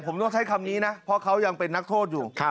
ผมต้องใช้คำนี้นะเพราะเขายังเป็นนักโทษอยู่